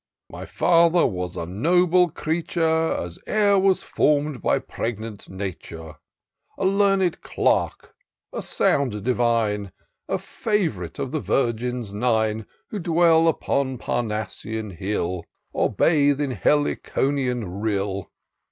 " My fiither was a noble creature, As e'er was form'd by pregnant Nature ; A learned clerk, a sound divine, A fav'rite of the Virgins Nine, Who dwell upon Parnassian hill, Or bathe in HeUconian rill.